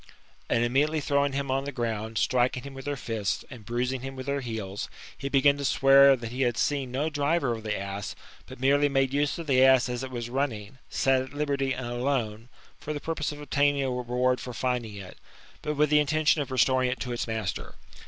And, immediately throwing him on the GOLDEN ASS, OF APULBIUS. — BOOK VII. tig ground, striking hitn with their fists, and braising him with their heels, he began to swear that he had seen no driver of the ass, but merely made use of the ass as it was running, set at liberty and alone, for the purpose of obtaining a reward for finding it, but with the intention of restoring it to its master.